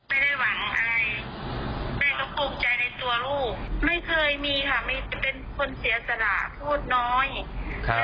แต่ลูกเราเขาไม่คิดถึงตัวเขาเขาคิดถึงบางคนมองว่าเป็นเรื่องเล็ก